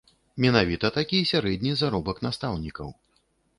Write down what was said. Менавіта такі сярэдні заробак настаўнікаў.